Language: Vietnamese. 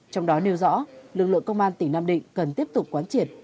trong đó nêu rõ lực lượng công an tỉnh nam định cần tiếp tục quán triệt